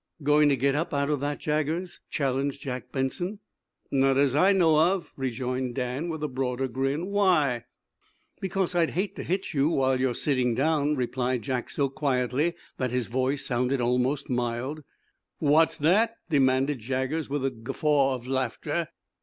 "Going to get up out of that, Jaggers?" challenged Jack Benson. "Not as I know of," rejoined Dan, with a broader grin. "Why?" "Because I'd hate to hit you while you're sitting down," replied Jack so quietly that his voice sounded almost mild. "What's that?" demanded Jaggers, with a guffaw of laughter.